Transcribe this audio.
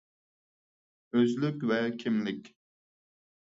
ئۆزلۈك ۋە كىملىك